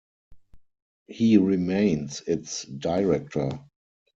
He remains its director.